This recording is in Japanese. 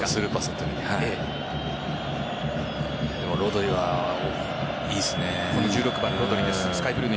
でもロドリはいいですね。